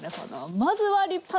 まずは立派な。